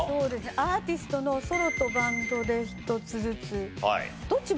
アーティストのソロとバンドで１つずつ。